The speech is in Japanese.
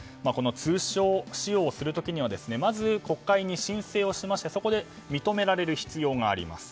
通称を使用する時はまず国会に申請をしましてそこで認められる必要があります。